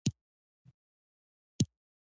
هغې همدا شېبه هغه سړی په خپل همت مات کړ.